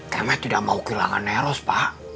kakak tidak mau kehilangan nero pak